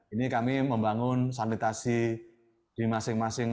ini kami membangun sanitasi di masing masing